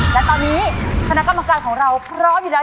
และตอนนี้คณะกรรมการของเราพร้อมอยู่แล้ว